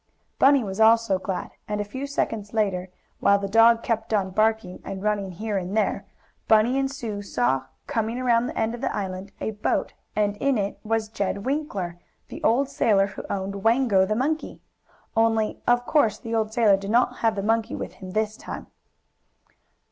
Bunny was also glad, and a few seconds later, while the dog kept on barking, and running here and there, Bunny and Sue raw, coming around the end of the island, a boat, and in it was Jed Winkler, the old sailor who owned Wango, the monkey. Only, of course, the old sailor did not have the monkey with him this time.